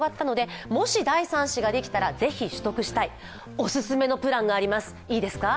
オススメのプランがあります、いいですか？